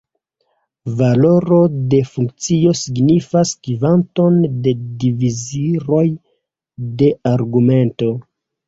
Valoro de funkcio signifas kvanton de divizoroj de argumento.